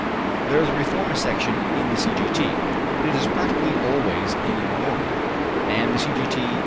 There is a Reformist section in the C. G. T., but it is practically always in a minority, and the C. G. T.